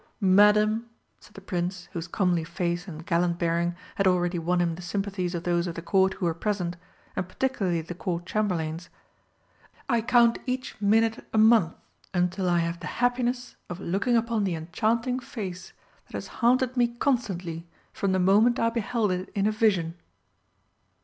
"Madam," said the Prince, whose comely face and gallant bearing had already won him the sympathies of those of the Court who were present, and particularly the Court Chamberlain's, "I count each minute a month until I have the happiness of looking upon the enchanting face that has haunted me constantly from the moment I beheld it in a vision."